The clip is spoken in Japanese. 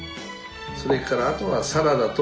それからあとはサラダと卵焼き。